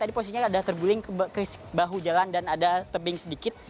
tadi posisinya ada terguling ke bahu jalan dan ada tebing sedikit